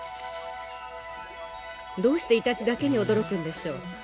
どうしてイタチだけに驚くんでしょう？